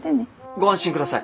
ご安心ください。